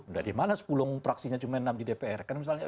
dari mana sepuluh praksinya cuma enam di dpr